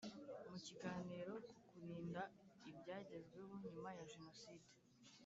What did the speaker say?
Mu kiganiro ku Kurinda ibyagezweho nyuma ya Jenoside